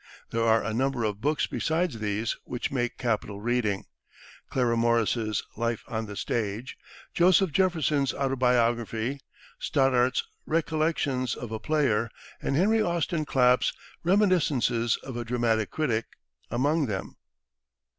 There are a number of books, besides these, which make capital reading Clara Morris's "Life on the Stage," Joseph Jefferson's autobiography, Stoddart's "Recollections of a Player," and Henry Austin Clapp's "Reminiscences of a Dramatic Critic," among them.